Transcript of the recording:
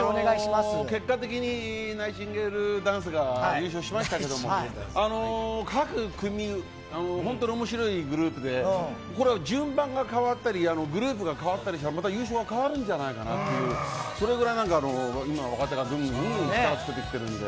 結果的にナイチンゲールダンスが優勝しましたけど各組、本当に面白いグループで順番が変わったりグループが変わったりしたらまた優勝が変わるんじゃないかなというそのぐらい今、若手がぐんぐんきてるんで。